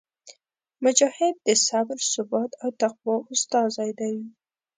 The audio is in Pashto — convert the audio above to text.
مجاهد د صبر، ثبات او تقوا استازی دی.